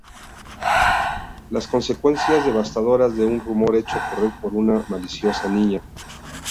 Las consecuencias devastadoras de un rumor hecho correr por una maliciosa niña.